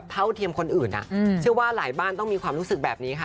เท่าเทียมคนอื่นเชื่อว่าหลายบ้านต้องมีความรู้สึกแบบนี้ค่ะ